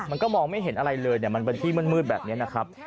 มันก็มองไม่เห็นอะไรเลยมันเป็นที่มืดแบบนี้นะครับ